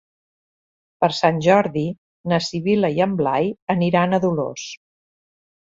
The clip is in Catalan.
Per Sant Jordi na Sibil·la i en Blai aniran a Dolors.